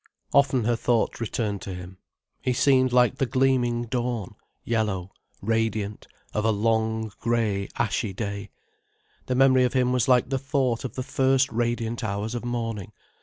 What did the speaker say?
Often her thoughts returned to him. He seemed like the gleaming dawn, yellow, radiant, of a long, grey, ashy day. The memory of him was like the thought of the first radiant hours of morning.